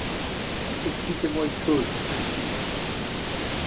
—«Expliquez-moi une chose,» dit-il enfin.